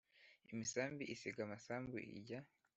Imisambi isiga amasambu ijya